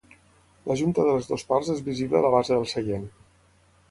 La junta de les dues parts és visible a la base del seient.